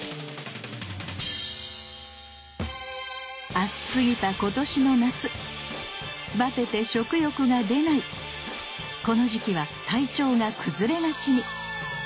暑すぎた今年の夏バテて食欲が出ないこの時期は体調が崩れがちに。